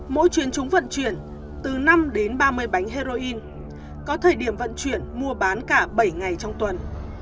mỗi chuyến chúng vận chuyển từ năm đến ba mươi bánh heroin có thời điểm vận chuyển mua bán cả bảy ngày trong tuần